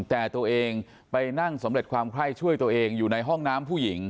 แต่ตัวเองไปนั่งสำเร็จความไข้ช่วยตัวเองอยู่ในห้องน้ำผู้หญิง